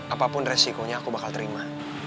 apapun resikonya aku bakal terima